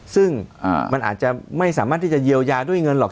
ซึ่งมันอาจจะไม่สามารถที่จะเยียวยาด้วยเงินหรอก